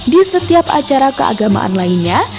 di setiap acara keagamaan lainnya